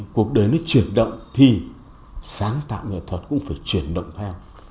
cuộc đời nó chuyển động thì sáng tạo nghệ thuật cũng phải chuyển động theo